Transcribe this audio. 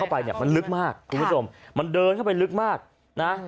ไปเนี่ยมันลึกมากคุณผู้ชมมันเดินเข้าไปลึกมากนะ